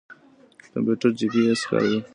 کمپيوټر جيپي اېس کاروي.